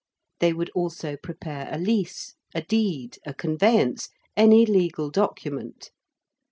They would also prepare a lease, a deed, a conveyance any legal document.